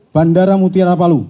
bandara mutiara palu